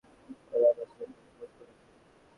ওরা আমার ছেলেকে খুন করেছে!